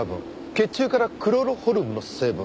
血中からクロロホルムの成分。